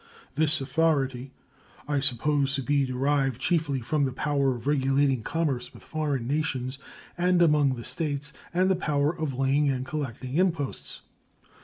This authority I suppose to be derived chiefly from the power of regulating commerce with foreign nations and among the States and the power of laying and collecting imposts.